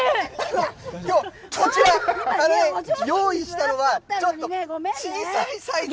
こちら、用意したのは、ちょっと小さいサイズ。